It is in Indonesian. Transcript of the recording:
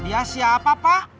dia siapa pak